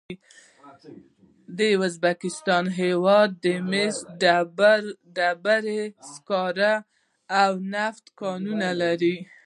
د ازبکستان هېواد د مسو، ډبرو سکرو او نفتو کانونه لري.